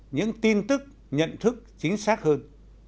những tin tức nhận thức chính xác hơn